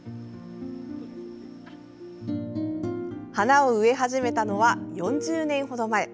花を植え始めたのは４０年程前。